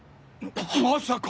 まさか！